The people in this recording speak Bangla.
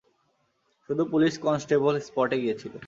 শুধু পুলিশ কনস্টেবল স্পটে গিয়েছিল।